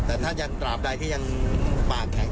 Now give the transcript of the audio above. แต่ท่านยังตราบใดที่ยังปากแข็ง